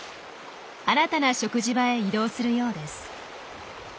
新たな食事場へ移動するようです。